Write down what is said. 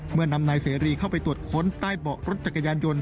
นำนายเสรีเข้าไปตรวจค้นใต้เบาะรถจักรยานยนต์